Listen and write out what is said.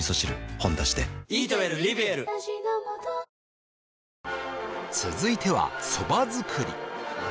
「ほんだし」で続いてはソバ作り